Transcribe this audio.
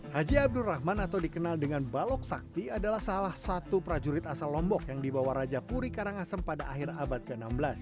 haji abdul rahman atau dikenal dengan balok sakti adalah salah satu prajurit asal lombok yang dibawa raja puri karangasem pada akhir abad ke enam belas